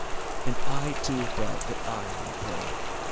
And I too felt that I would pray.